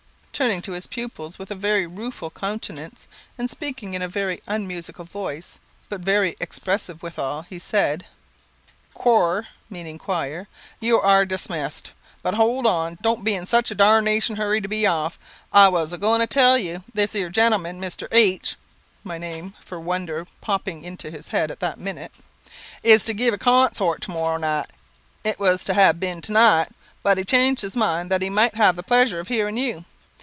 Turning to his pupils, with a very rueful countenance, and speaking in a very unmusical voice, but very expressive withal, he said "Chore (meaning choir), you are dimissed. But, hold on! don't be in such a darnation hurry to be off. I was a going to tell you, this ere gentleman, Mr. H (my name, for a wonder, poppping into his head at that minute) is to give a con sort to morrow night. It was to have been to night; but he changed his mind that he might have the pleasure of hearing you.